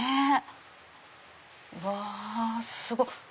うわすごい！